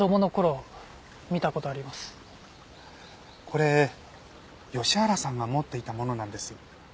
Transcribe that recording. これ吉原さんが持っていたものなんです。